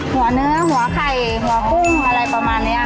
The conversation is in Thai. หัวเนื้อหัวไข่หัวกุ้งอะไรประมาณนี้